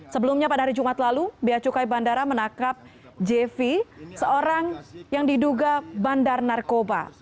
sebelumnya pada hari jumat lalu beacukai bandara menangkap jv seorang yang diduga bandar narkoba